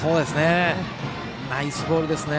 ナイスボールですね。